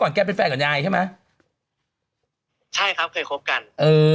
แกเป็นแฟนกับยายใช่ไหมใช่ครับเคยคบกันเออ